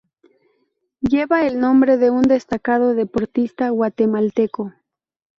Lleva el nombre de un destacado deportista guatemalteco.